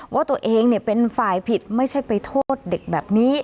ว่าตัวเองเป็นฝ่ายผิดไม่ใช่ไปโทษเด็กแบบนี้